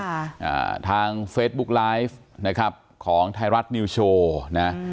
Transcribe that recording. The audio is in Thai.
อ่าทางเฟซบุ๊กไลฟ์นะครับของไทยรัฐนิวโชว์นะ